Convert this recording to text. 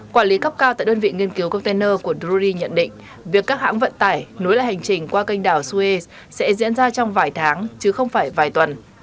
quản lý cấp cao tại đơn vị nghiên cứu container của drury nhận định việc các hãng vận tải nối lại hành trình qua kênh đảo suê sẽ diễn ra trong vài tháng chứ không phải vài tuần